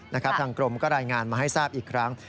ทางกรมก็รายงานมาให้ทราบอีกครั้ง